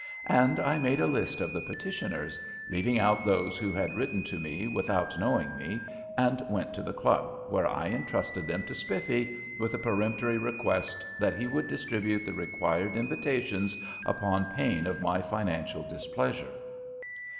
And I made a list of the petitioners, leaving out those who had written to me without knowing me, and went to the club, where I intrusted them to Spiffy, with a peremptory request that he would distribute the required invitations upon pain of my financial displeasure.